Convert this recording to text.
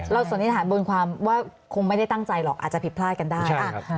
สันนิษฐานบนความว่าคงไม่ได้ตั้งใจหรอกอาจจะผิดพลาดกันได้